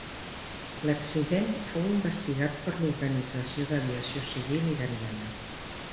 L'accident fou investigat per l'Organització d'Aviació Civil Iraniana.